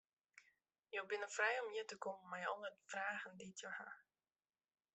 Je binne frij om hjir te kommen mei alle fragen dy't je ha.